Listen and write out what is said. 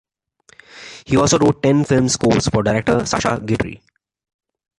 He also wrote ten film scores for director Sacha Guitry.